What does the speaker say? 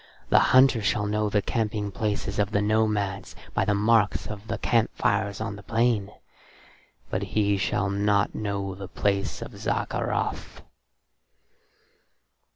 The hunter shall know the camping places of the nomads by the marks of the camp fires on the plain, but he shall not know the place of Zaccarath."